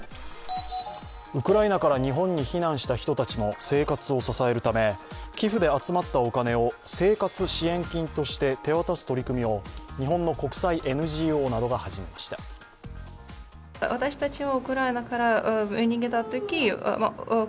ウクライナから日本に避難した人たちの生活を支えるため寄付で集まったお金を生活支援金として手渡す取り組みを日本の国際ＮＧＯなどが始めました。